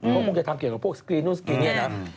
มันคงจะทำเกี่ยวกับพวกสกรีนนี้นะ